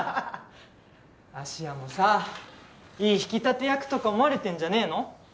芦屋もさいい引き立て役とか思われてんじゃねえの？